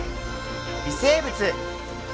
「微生物！」。